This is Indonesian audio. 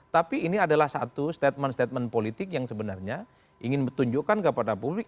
tapi ini adalah satu statement statement politik yang sebenarnya ingin ditunjukkan kepada publik